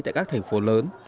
tại các nhà hàng